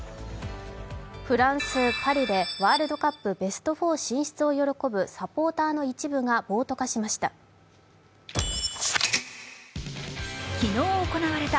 フランス・パリでワールドカップベスト４進出を喜ぶサポーターの一部が暴徒化しました。